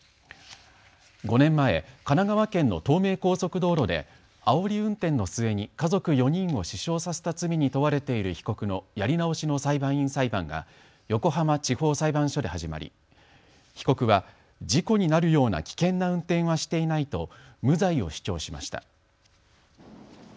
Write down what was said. ５年前、神奈川県の東名高速道路であおり運転の末に家族４人を死傷させた罪に問われている被告のやり直しの裁判員裁判が横浜地方裁判所で始まり被告は事故になるような危険な運転はしていないと無罪を主張しました。